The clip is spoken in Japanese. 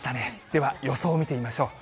では、予想を見てみましょう。